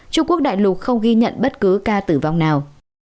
trung quốc đại lục không ghi nhận bất cứ ca tử vong nào